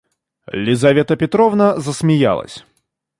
Лизавета Петровна засмеялась.